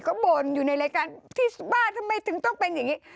ก็บ่นอยู่ในรายการที่บ้านทำไมถึงต้องเป็นอย่างนี้